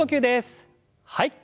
はい。